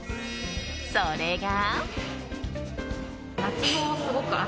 それが。